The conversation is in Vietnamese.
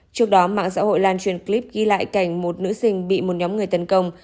trước đó mạng xã hội lan truyền clip ghi lại cảnh một nữ sinh bị một nhóm người tấn công